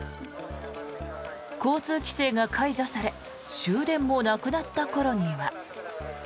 交通規制が解除され終電もなくなった頃には。